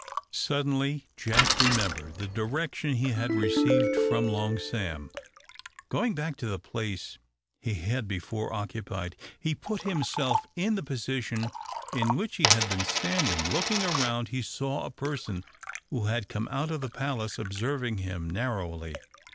Suddenly Jack remembered the direction he had received from Long Sam. Going back to the place he had before occupied, he put himself in the position in which he had been standing. Looking round, he saw a person who had come out of the palace observing him narrowly.